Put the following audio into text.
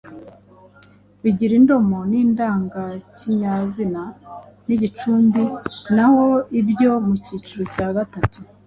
bigira indomo n’indangakinyazina n’igicumbi naho ibyo mu kiciro cya gatatu